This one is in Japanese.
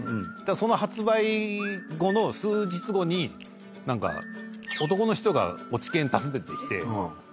その発売後の数日後に何か男の人が落研訪ねてきて。